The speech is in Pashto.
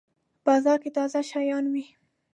بازار کی تازه شیان وی